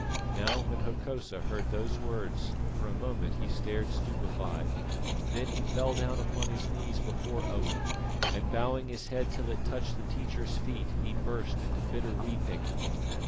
Now, when Hokosa heard those words, for a moment he stared stupefied; then he fell upon his knees before Owen, and bowing his head till it touched the teacher's feet, he burst into bitter weeping.